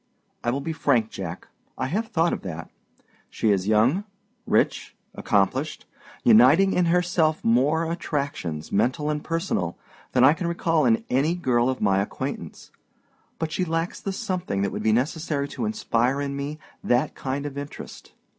I will be frank, Jack; I have thought of that. She is young, rich, accomplished, uniting in herself more attractions, mental and personal, than I can recall in any girl of my acquaintance; but she lacks the something that would be necessary to inspire in me that kind of interest.